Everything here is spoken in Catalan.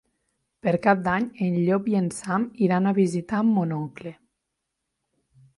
Per Cap d'Any en Llop i en Sam iran a visitar mon oncle.